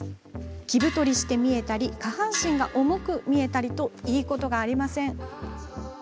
着太りして見えたり下半身が重く見えたりといいことがありません。